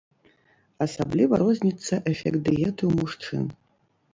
Асабліва розніцца эфект дыеты ў мужчын.